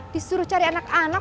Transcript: disuruh cari anak anak